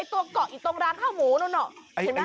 ไอ้ตัวก็อีกตรงร้างข้าวหมูนู้นล่ะ